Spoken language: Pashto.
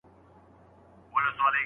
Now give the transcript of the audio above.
پوهي د ژوند لار روښانوي